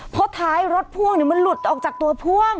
เพราะท้ายรถพ่วงมันหลุดออกจากตัวพ่วง